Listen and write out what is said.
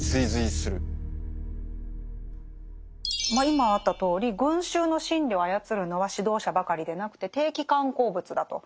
今あったとおり群衆の心理を操るのは指導者ばかりでなくて定期刊行物だと。